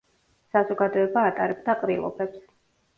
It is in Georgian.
საზოგადოება ატარებდა ყრილობებს.